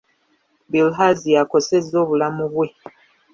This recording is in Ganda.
Bilharzia akosezza obulamu bwe.